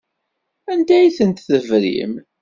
Anda ay tent-tebrim?